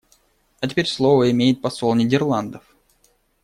А теперь слово имеет посол Нидерландов.